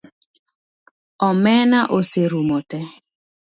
Omena oserumo te